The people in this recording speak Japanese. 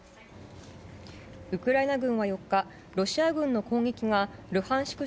ウクライナ軍は４日、ロシア軍の攻撃がルハンシク